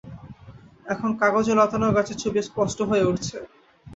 এখন কাগজে লতানো গাছের ছবি স্পষ্ট হয়ে উঠছে।